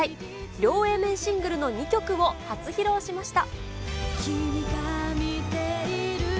両Ａ面シングルの２曲を初披露しました。